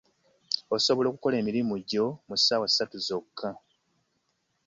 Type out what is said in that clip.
Osobola okukola emirimu gyo mu ssaawa ssatu zokka.